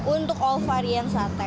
untuk all varian sate